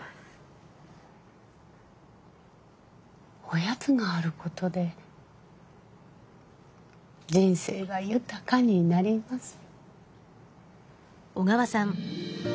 おやつがあることで人生が豊かになります。